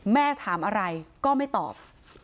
แม่ถามอะไรก็ไม่ตอบ